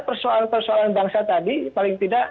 persoalan persoalan bangsa tadi paling tidak